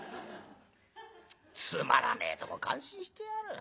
「つまらねえとこ感心してやがる。